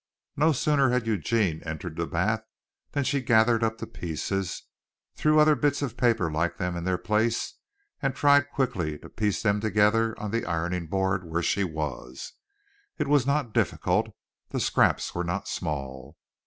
No sooner had Eugene entered the bath than she gathered up the pieces, threw other bits of paper like them in their place and tried quickly to piece them together on the ironing board where she was. It was not difficult; the scraps were not small.